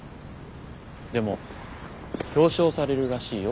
でも表彰されるらしいよ